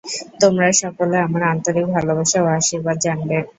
তোমরা সকলে আমার আন্তরিক ভালবাসা ও আশীর্বাদ জানবে।